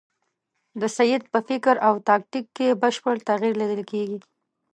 د سید په فکر او تاکتیک کې بشپړ تغییر لیدل کېږي.